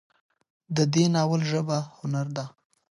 د دې ناول ژبه هنري ده